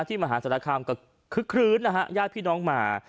มหาศาลคามก็คึกคลื้นนะฮะญาติพี่น้องมา